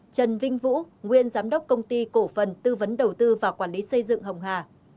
trần vinh vũ nguyên giám đốc công ty cổ phần tư vấn đầu tư và quản lý xây dựng hồng hà